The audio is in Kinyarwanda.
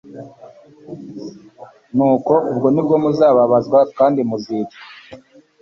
«Nuko ubwo nibwo muzababazwa kandi muzicwa,